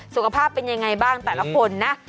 สุขภาพเป็นยังไงบ้างแต่ละคนนะ